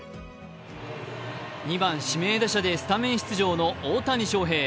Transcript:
２番・指名打者でスタメン出場の大谷翔平。